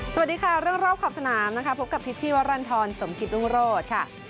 สวัสดีค่ะเรื่องรอบขอบสนามนะคะพบกับพิษชีวรรณฑรสมกิตรุงโรธค่ะ